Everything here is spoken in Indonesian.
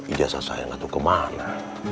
ijazah saya gak tau kemana